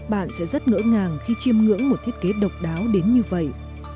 bạn sẽ rất ngỡ ngàng khi chiêm ngưỡng một thiết kế độc đáo đến như vậy